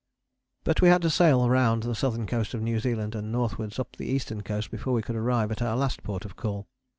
But we had to sail round the southern coast of New Zealand and northwards up the eastern coast before we could arrive at our last port of call.